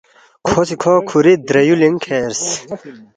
کھو سی کھو کُھوری درے یُولِنگ کھیرس